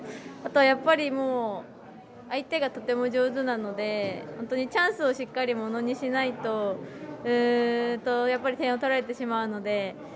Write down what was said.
あとはやっぱり相手がとても上手なので本当にチャンスをしっかりものにしないとやっぱり点を取られてしまうので。